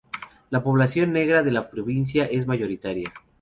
La población negra de la provincia es mayoritaria.